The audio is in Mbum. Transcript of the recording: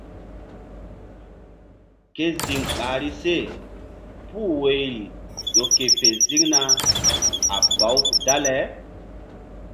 Ke ziŋ ɓahri se puh woyri ƴo ke fe ziŋna a baw dale.